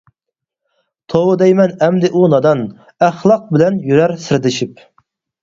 توۋا دەيمەن ئەمدى ئۇ نادان، ئەخلاق بىلەن يۈرەر سىردىشىپ.